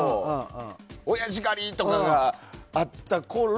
おやじ狩りとかがあったころ